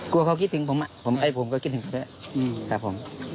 กลัวเขาคิดถึงผมนะผมก็คิดถึงเหมือนกัน